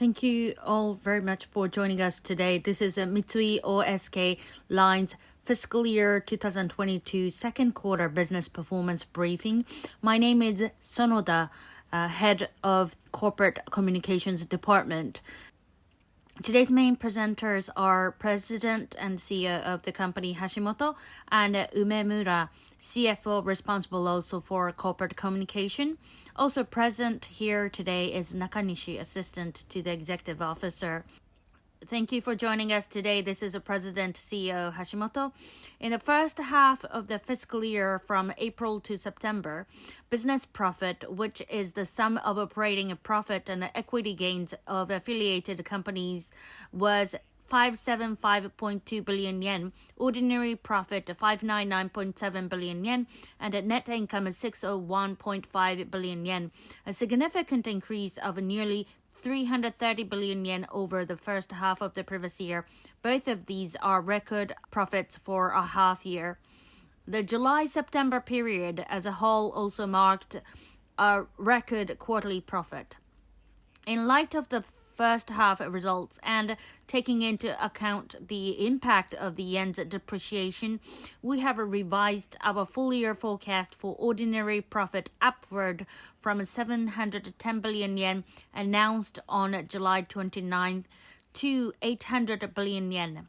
Thank you all very much for joining us today. This is Mitsui O.S.K. Lines Fiscal Year 2022 second quarter business performance briefing. My name is Sonoda, head of Corporate Communications Department. Today's main presenters are President and CEO of the company, Hashimoto, and Umemura, CFO, responsible also for corporate communication. Also present here today is Nakanishi, Assistant to the Executive Officer. Thank you for joining us today. This is President CEO Hashimoto. In the first half of the fiscal year, from April to September, business profit, which is the sum of operating profit and the equity in earnings of affiliated companies, was 57.2 billion yen, ordinary profit 59.7 billion yen, and net income 601.5 billion yen, a significant increase of nearly 330 billion yen over the first half of the previous year. Both of these are record profits for a half year. The July-September period as a whole also marked a record quarterly profit. In light of the first half results and taking into account the impact of the yen's depreciation, we have revised our full year forecast for ordinary profit upward from 710 billion yen announced on July 29th to 800 billion yen.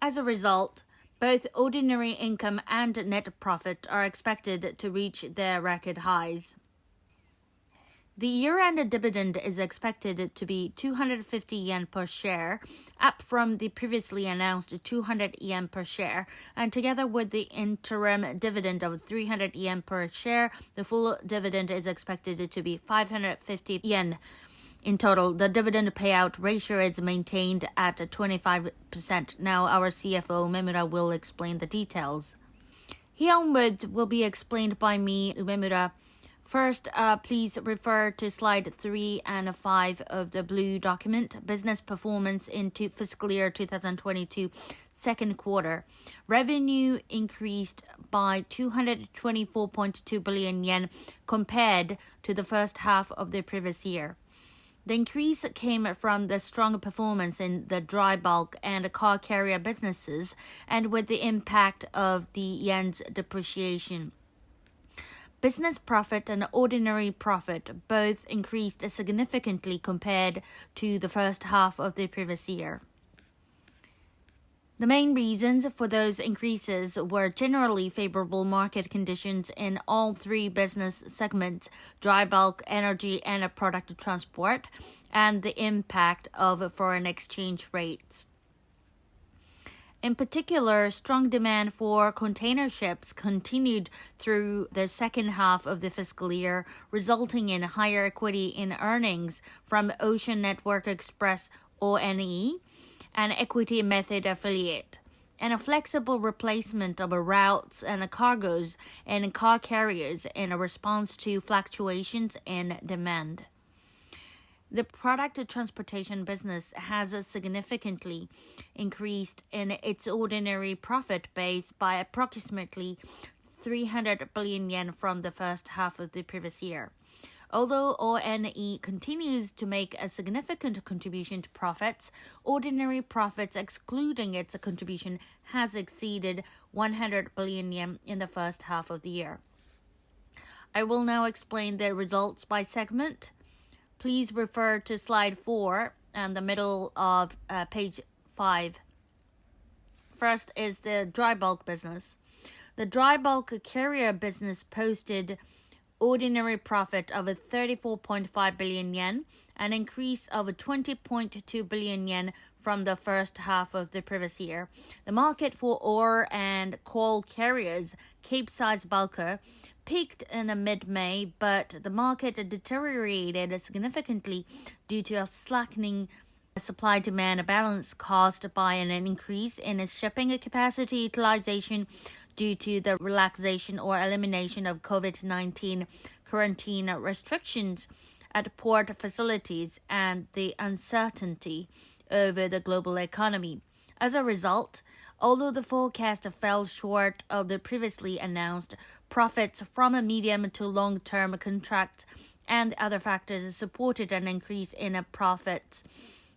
As a result, both ordinary income and net profit are expected to reach their record highs. The year-end dividend is expected to be 250 yen per share, up from the previously announced 200 yen per share. Together with the interim dividend of 300 yen per share, the full dividend is expected to be 550 yen. In total, the dividend payout ratio is maintained at 25%. Now our CFO, Umemura, will explain the details. Here onwards will be explained by me, Umemura. First, please refer to slide three and five of the blue document. Business performance in fiscal year 2022, second quarter. Revenue increased by 224.2 billion yen compared to the first half of the previous year. The increase came from the strong performance in the dry bulk and car carrier businesses and with the impact of the yen's depreciation. Business profit and ordinary profit both increased significantly compared to the first half of the previous year. The main reasons for those increases were generally favorable market conditions in all three business segments, dry bulk, energy and product transport, and the impact of foreign exchange rates. In particular, strong demand for container ships continued through the second half of the fiscal year, resulting in higher equity in earnings from Ocean Network Express, ONE, an equity method affiliate, and a flexible replacement of routes and cargos and car carriers in response to fluctuations in demand. The product transportation business has significantly increased in its ordinary profit base by approximately 300 billion yen from the first half of the previous year. Although ONE continues to make a significant contribution to profits, ordinary profits excluding its contribution has exceeded 100 billion yen in the first half of the year. I will now explain the results by segment. Please refer to slide four and the middle of page 5. First is the dry bulk business. The dry bulk carrier business posted ordinary profit of 34.5 billion yen, an increase of 20.2 billion yen from the first half of the previous year. The market for ore and coal carriers, Capesize bulker, peaked in mid-May, but the market deteriorated significantly due to a slackening supply-demand balance caused by an increase in shipping capacity utilization due to the relaxation or elimination of COVID-19 quarantine restrictions at port facilities and the uncertainty over the global economy. As a result, although the forecast fell short of the previously announced profits, from a medium- to long-term contracts and other factors supported an increase in profits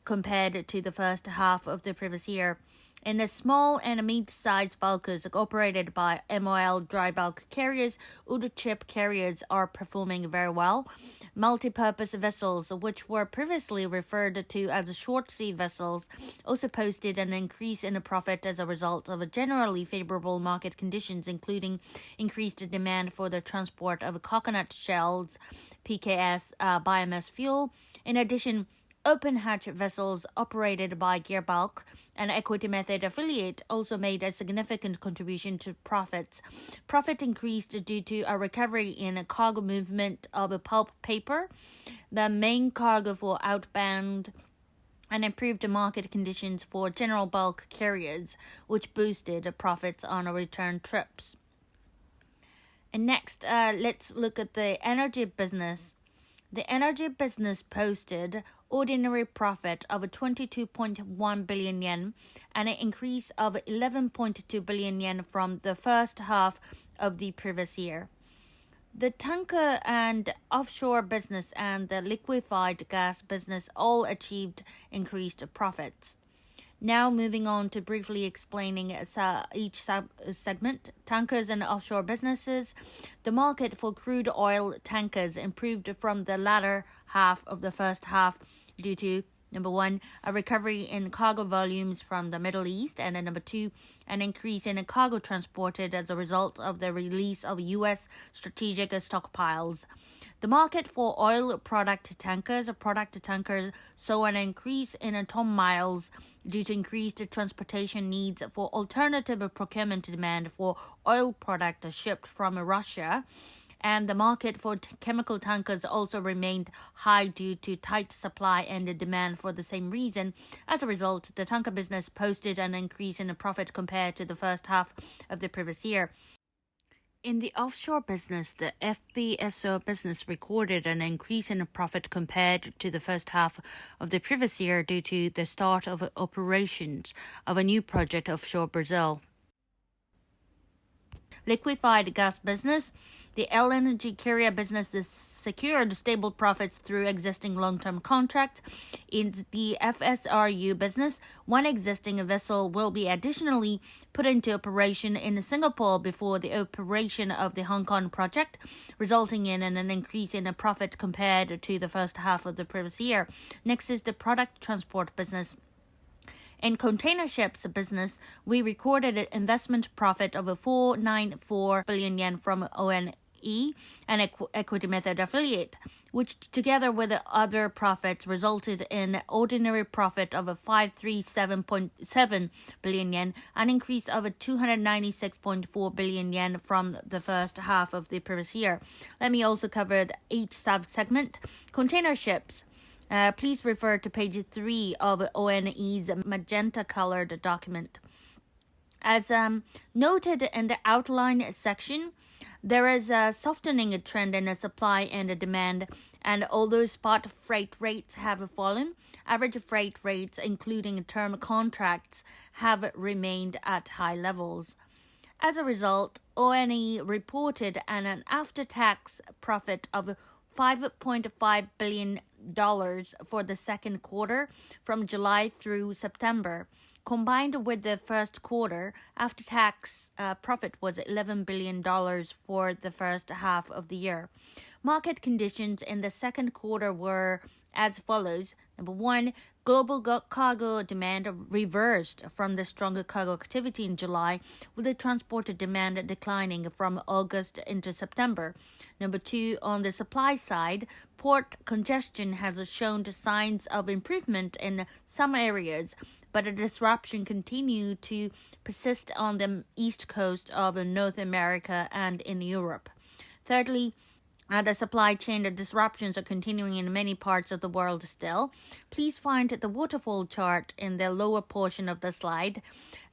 compared to the first half of the previous year. In the small- and midsize bulkers operated by MOL Drybulk Ltd., Ultramax carriers are performing very well. Multipurpose vessels, which were previously referred to as short sea vessels, also posted an increase in profit as a result of a generally favorable market conditions, including increased demand for the transport of coconut shells, PKS, biomass fuel. In addition, open hatch vessels operated by Gearbulk, an equity method affiliate, also made a significant contribution to profits. Profit increased due to a recovery in cargo movement of pulp paper, the main cargo for outbound, and improved market conditions for general bulk carriers, which boosted profits on return trips. Next, let's look at the energy business. The energy business posted ordinary profit of 22.1 billion yen, an increase of 11.2 billion yen from the first half of the previous year. The tanker and offshore business and the liquefied gas business all achieved increased profits. Now moving on to briefly explaining each sub-segment. Tankers and offshore businesses, the market for crude oil tankers improved from the latter half of the first half due to, number one, a recovery in cargo volumes from the Middle East, and number two, an increase in cargo transported as a result of the release of U.S. strategic stockpiles. The market for oil product tankers or product tankers saw an increase in ton-miles due to increased transportation needs for alternative procurement demand for oil product shipped from Russia. The market for chemical tankers also remained high due to tight supply and the demand for the same reason. As a result, the tanker business posted an increase in profit compared to the first half of the previous year. In the offshore business, the FPSO business recorded an increase in profit compared to the first half of the previous year due to the start of operations of a new project offshore Brazil. Liquefied gas business. The energy carrier business has secured stable profits through existing long-term contracts. In the FSRU business, one existing vessel will be additionally put into operation in Singapore before the operation of the Hong Kong project, resulting in an increase in profit compared to the first half of the previous year. Next is the product transport business. In container ships business, we recorded an investment profit of 494 billion yen from ONE, an equity method affiliate, which together with other profits, resulted in ordinary profit of 537.7 billion yen, an increase of 296.4 billion yen from the first half of the previous year. Let me also cover each sub-segment. Container ships, please refer to page 3 of ONE's magenta-colored document. As noted in the outline section, there is a softening trend in the supply and the demand, and although spot freight rates have fallen, average freight rates, including term contracts, have remained at high levels. As a result, ONE reported an after-tax profit of $5.5 billion for the second quarter from July through September. Combined with the first quarter, after-tax profit was $11 billion for the first half of the year. Market conditions in the second quarter were as follows. Number 1, global cargo demand reversed from the stronger cargo activity in July, with the transport demand declining from August into September. Number 2, on the supply side, port congestion has shown signs of improvement in some areas, but disruptions continue to persist on the east coast of North America and in Europe. Thirdly, the supply chain disruptions are continuing in many parts of the world still. Please find the waterfall chart in the lower portion of the slide.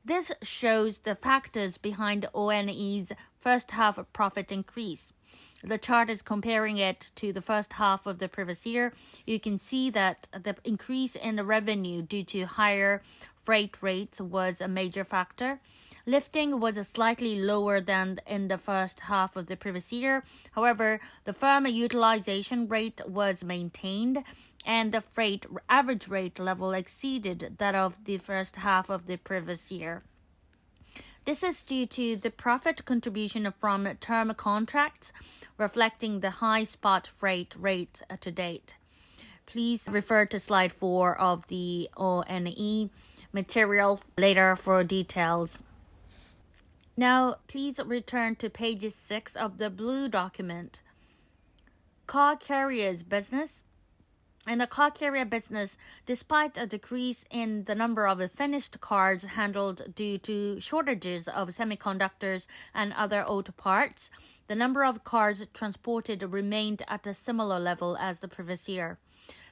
This shows the factors behind ONE's first half profit increase. The chart is comparing it to the first half of the previous year. You can see that the increase in the revenue due to higher freight rates was a major factor. Lifting was slightly lower than in the first half of the previous year. However, the firm utilization rate was maintained and the freight average rate level exceeded that of the first half of the previous year. This is due to the profit contribution from term contracts reflecting the high spot freight rates to date. Please refer to slide four of the ONE material later for details. Now, please return to page 6 of the blue document. Car carriers business. In the car carrier business, despite a decrease in the number of finished cars handled due to shortages of semiconductors and other auto parts, the number of cars transported remained at a similar level as the previous year.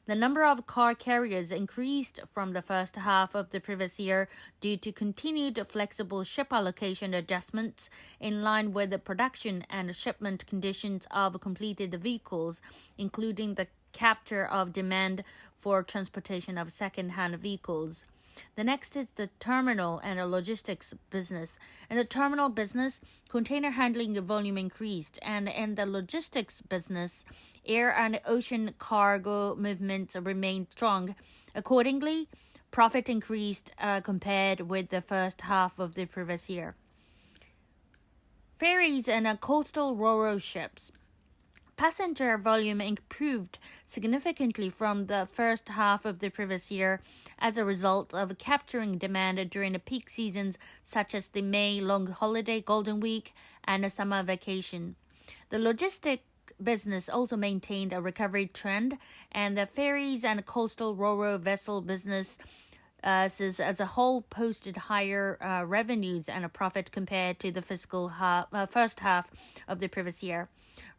The number of car carriers increased from the first half of the previous year due to continued flexible ship allocation adjustments in line with the production and shipment conditions of completed vehicles, including the capture of demand for transportation of secondhand vehicles. The next is the terminal and the logistics business. In the terminal business, container handling volume increased, and in the logistics business, air and ocean cargo movements remained strong. Accordingly, profit increased compared with the first half of the previous year. Ferries and coastal Ro-Ro ships. Passenger volume improved significantly from the first half of the previous year as a result of capturing demand during peak seasons such as the May long holiday Golden Week and the summer vacation. The logistics business also maintained a recovery trend, and the ferries and coastal ro-ro vessel business as a whole posted higher revenues and a profit compared to the first half of the previous year.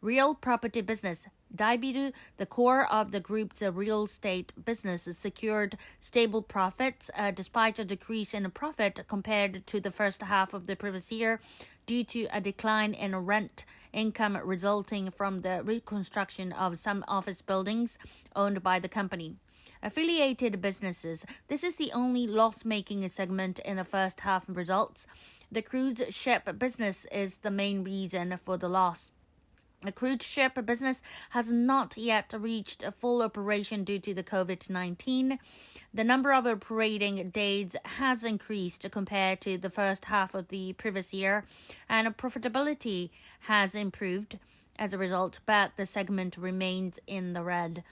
Real property business. Daibiru, the core of the group's real estate business, secured stable profits despite a decrease in profit compared to the first half of the previous year due to a decline in rent income resulting from the reconstruction of some office buildings owned by the company. Affiliated businesses. This is the only loss-making segment in the first half results. The cruise ship business is the main reason for the loss. The crude ship business has not yet reached full operation due to the COVID-19. The number of operating days has increased compared to the first half of the previous year, and profitability has improved as a result, but the segment remains in the red.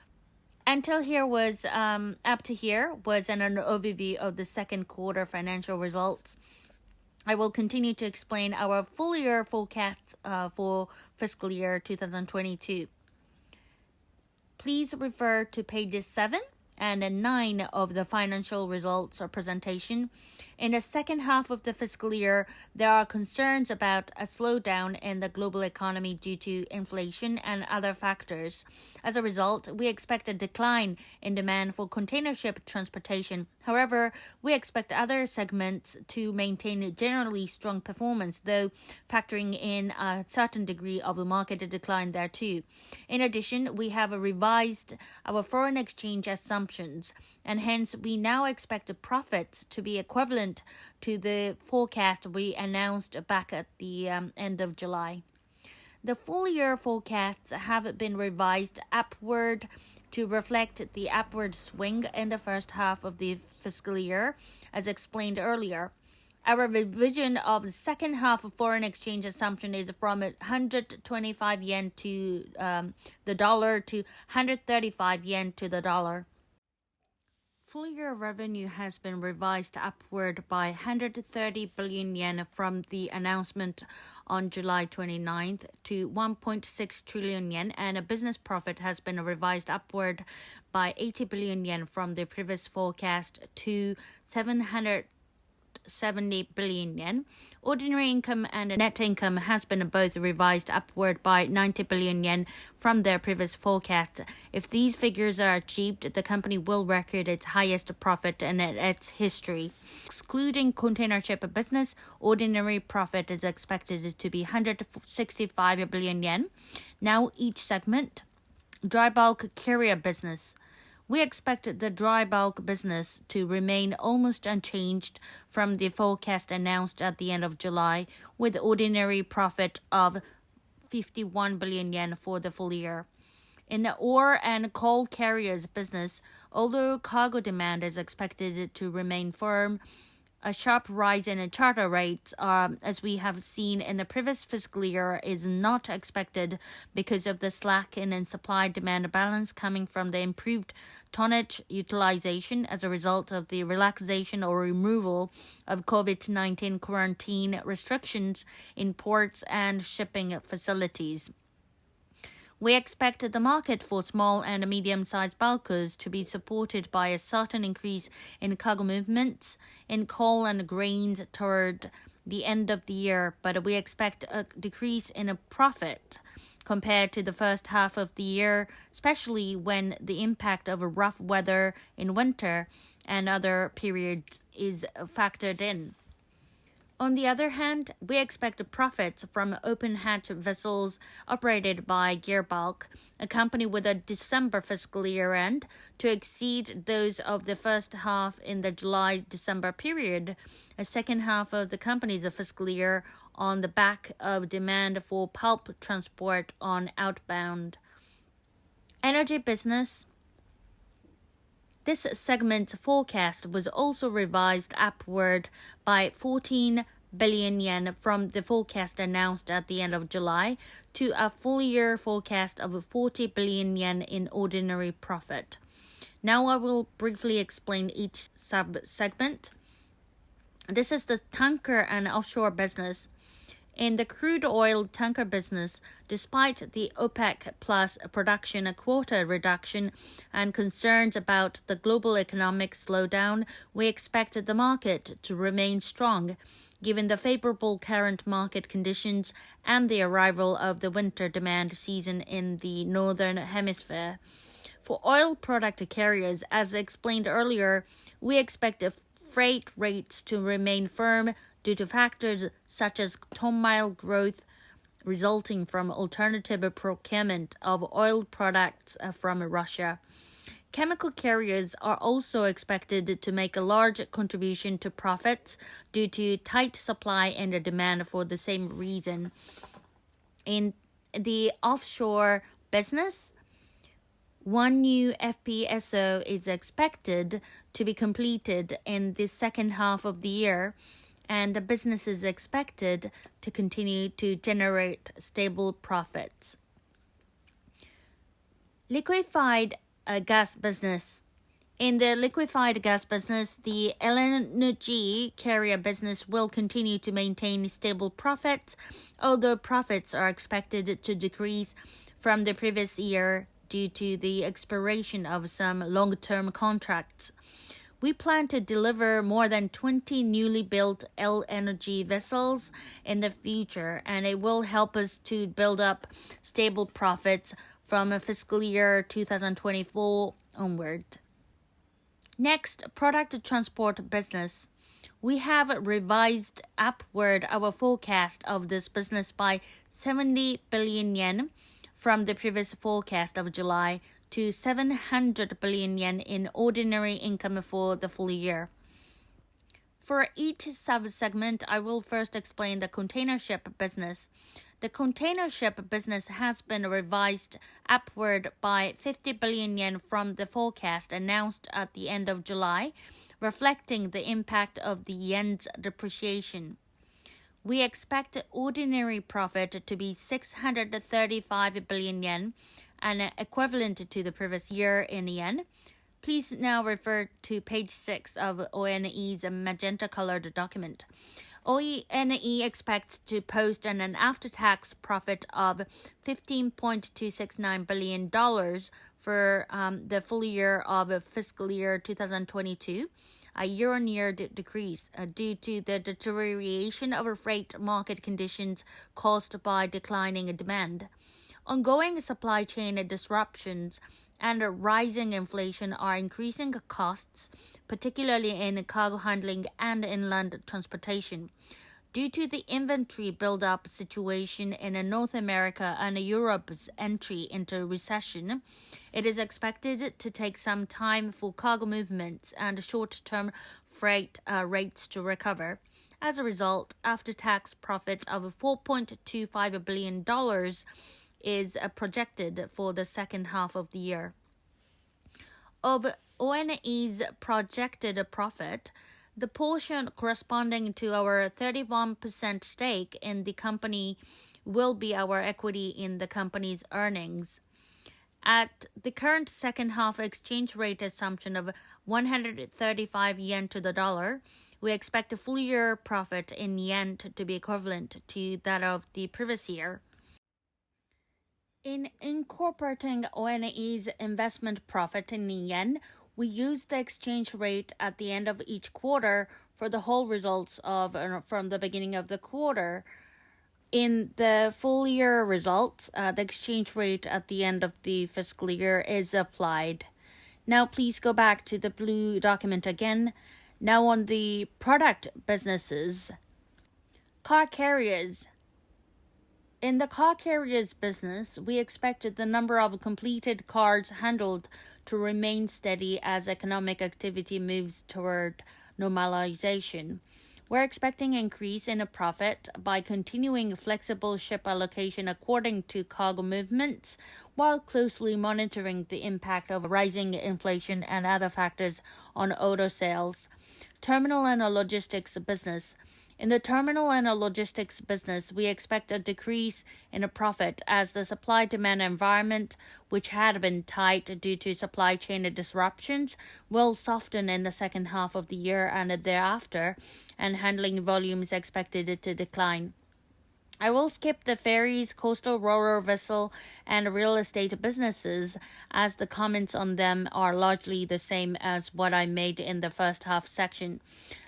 Up to here was an overview of the second quarter financial results. I will continue to explain our full year forecast for fiscal year 2022. Please refer to pages seven and nine of the financial results or presentation. In the second half of the fiscal year, there are concerns about a slowdown in the global economy due to inflation and other factors. As a result, we expect a decline in demand for container ship transportation. However, we expect other segments to maintain a generally strong performance, though factoring in a certain degree of a market decline there too. In addition, we have revised our foreign exchange assumptions, and hence we now expect profits to be equivalent to the forecast we announced back at the end of July. The full year forecasts have been revised upward to reflect the upward swing in the first half of the fiscal year, as explained earlier. Our revision of the second half foreign exchange assumption is from 125 yen to the dollar to 135 yen to the dollar. Full year revenue has been revised upward by 130 billion yen from the announcement on July 29 to 1.6 trillion yen, and business profit has been revised upward by 80 billion yen from the previous forecast to 770 billion yen. Ordinary profit and net income has been both revised upward by 90 billion yen from their previous forecast. If these figures are achieved, the company will record its highest profit in its history. Excluding container ship business, ordinary profit is expected to be 165 billion yen. Now each segment. Dry bulk carrier business. We expect the dry bulk business to remain almost unchanged from the forecast announced at the end of July, with ordinary profit of 51 billion yen for the full year. In the ore and coal carriers business, although cargo demand is expected to remain firm, a sharp rise in the charter rates, as we have seen in the previous fiscal year, is not expected because of the slack in supply-demand balance coming from the improved tonnage utilization as a result of the relaxation or removal of COVID-19 quarantine restrictions in ports and shipping facilities. We expect the market for small and medium-sized bulkers to be supported by a certain increase in cargo movements in coal and grains toward the end of the year, but we expect a decrease in profit compared to the first half of the year, especially when the impact of rough weather in winter and other periods is factored in. On the other hand, we expect profits from open hatch vessels operated by Gearbulk, a company with a December fiscal year-end, to exceed those of the first half in the July-December period, second half of the company's fiscal year on the back of demand for pulp transport on outbound. Energy business. This segment forecast was also revised upward by 14 billion yen from the forecast announced at the end of July to a full year forecast of 40 billion yen in ordinary profit. Now I will briefly explain each sub-segment. This is the tanker and offshore business. In the crude oil tanker business, despite the OPEC+ production quota reduction and concerns about the global economic slowdown, we expect the market to remain strong, given the favorable current market conditions and the arrival of the winter demand season in the northern hemisphere. For oil product carriers, as explained earlier, we expect freight rates to remain firm due to factors such as ton-mile growth resulting from alternative procurement of oil products from Russia. Chemical carriers are also expected to make a large contribution to profits due to tight supply and the demand for the same reason. In the offshore business, one new FPSO is expected to be completed in the second half of the year, and the business is expected to continue to generate stable profits. Liquefied gas business. In the liquefied gas business, the LNG carrier business will continue to maintain stable profits, although profits are expected to decrease from the previous year due to the expiration of some long-term contracts. We plan to deliver more than 20 newly built LNG vessels in the future, and it will help us to build up stable profits from fiscal year 2024 onward. Next, product transport business. We have revised upward our forecast of this business by 70 billion yen from the previous forecast of July to 700 billion yen in ordinary profit for the full year. For each sub-segment, I will first explain the container ship business. The container ship business has been revised upward by 50 billion yen from the forecast announced at the end of July, reflecting the impact of the yen's depreciation. We expect ordinary profit to be 635 billion yen and equivalent to the previous year in yen. Please now refer to page 6 of ONE's magenta-colored document. ONE expects to post an after-tax profit of $15.269 billion for the full year of fiscal year 2022, a year-on-year decrease due to the deterioration of freight market conditions caused by declining demand. Ongoing supply chain disruptions and rising inflation are increasing costs, particularly in cargo handling and inland transportation. Due to the inventory buildup situation in North America and Europe's entry into recession, it is expected to take some time for cargo movements and short-term freight rates to recover. As a result, after-tax profit of $4.25 billion is projected for the second half of the year. Of ONE's projected profit, the portion corresponding to our 31% stake in the company will be our equity in the company's earnings. At the current second half exchange rate assumption of 135 yen to the dollar, we expect full year profit in yen to be equivalent to that of the previous year. In incorporating ONE's investment profit in yen, we use the exchange rate at the end of each quarter for the whole results from the beginning of the quarter. In the full year results, the exchange rate at the end of the fiscal year is applied. Now please go back to the blue document again. Now on the product businesses. Car carriers. In the car carriers business, we expect the number of completed cars handled to remain steady as economic activity moves toward normalization. We're expecting an increase in profit by continuing flexible ship allocation according to cargo movements while closely monitoring the impact of rising inflation and other factors on auto sales. Terminal and logistics business. In the terminal and logistics business, we expect a decrease in profit as the supply-demand environment which had been tight due to supply chain disruptions will soften in the second half of the year and thereafter, and handling volume is expected to decline. I will skip the ferries, coastal ro-ro vessel, and real estate businesses as the comments on them are largely the same as what I made in the first half section.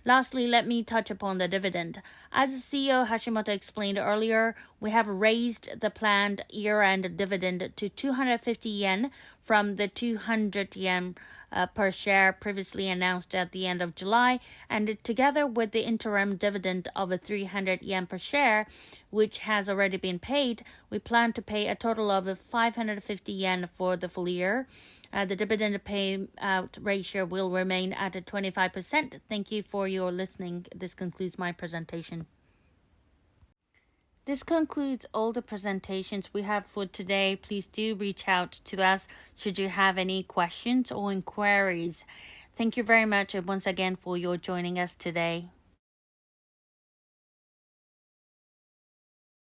Lastly, let me touch upon the dividend. As CEO Hashimoto explained earlier, we have raised the planned year-end dividend to 250 yen per share from 200 per share previously announced at the end of July. Together with the interim dividend of 300 yen per share, which has already been paid, we plan to pay a total of 550 yen for the full year. The dividend payout ratio will remain at 25%. Thank you for listening. This concludes my presentation. This concludes all the presentations we have for today. Please do reach out to us should you have any questions or inquiries. Thank you very much once again for joining us today.